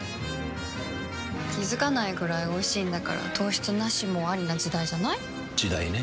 気付かないくらいおいしいんだから糖質ナシもアリな時代じゃない？時代ね。